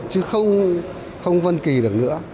chứ không vân kỳ được nữa